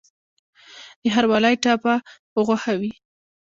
د ښاروالۍ ټاپه په غوښه وي؟